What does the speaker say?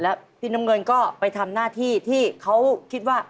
แล้วพี่น้ำเงินก็ไปทำหน้าที่ที่เขาคิดว่า